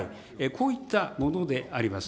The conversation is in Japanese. こういったものであります。